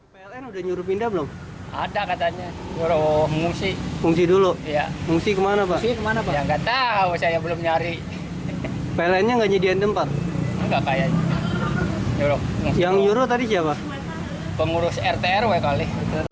pengurus rt rw kali